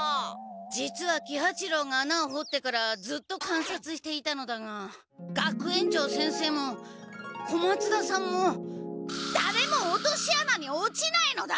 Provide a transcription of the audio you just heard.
実は喜八郎が穴をほってからずっとかんさつしていたのだが学園長先生も小松田さんもだれも落とし穴に落ちないのだ！